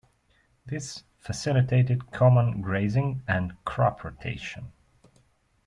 This facilitated common grazing and crop rotation.